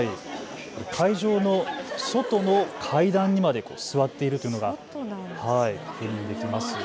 会場の外の階段にまで座っているというのが確認できます。